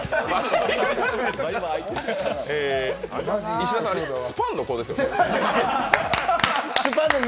石田さん、スパンの子ですよね。